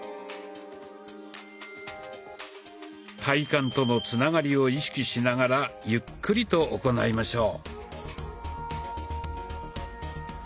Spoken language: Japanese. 体幹とのつながりを意識しながらゆっくりと行いましょう。